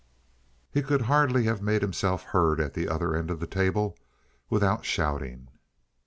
He could hardly have made himself heard at the other end of the table without shouting.